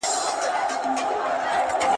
غیبت د عزت د له منځه وړلو لامل دی.